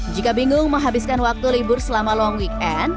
jika bingung menghabiskan waktu libur selama long weekend